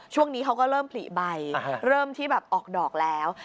ช่วงนี้เขาก็เริ่มผลิใบเริ่มที่แบบออกดอกแล้ว